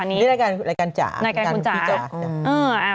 ในรายการจ๋าพี่จ๋า